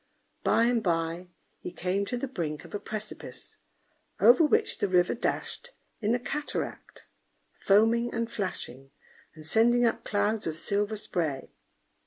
By and by he came to the brink of a precipice, over which the river dashed in a cataract, foaming and flashing, and sending up clouds of silver spray.